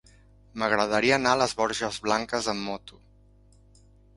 M'agradaria anar a les Borges Blanques amb moto.